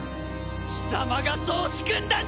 貴様がそう仕組んだんだ！